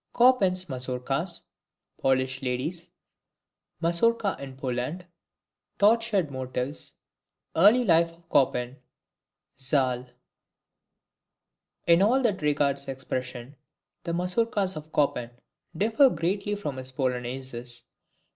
Chopin's Mazourkas Polish Ladies Mazourka in Poland Tortured Motives Early life of Chopin Zal. In all that regards expression, the MAZOURKAS of Chopin differ greatly from his POLONAISES.